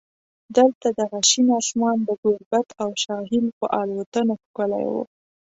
دلته دغه شین اسمان د ګوربت او شاهین په الوتنو ښکلی و.